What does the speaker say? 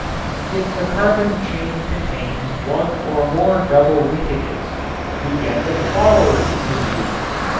If the carbon chain contains one or more double linkages we get the "flowery" perfumes.